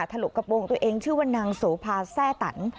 ถลกกระโปรงตัวเองชื่อว่านางโสภาแทร่ตัน